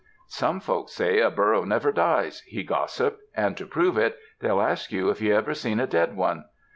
"Some folks say a burro never dies," he gossiped, "and to prove it they'll ask you if you ever seen a dead one.